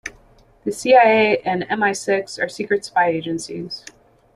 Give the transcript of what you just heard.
The CIA and MI-Six are secret spy agencies.